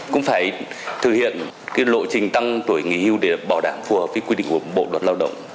cũng phải thực hiện cái lộ trình tăng tuổi nghỉ hưu để bảo đảm phù hợp với quy định của bộ luật lao động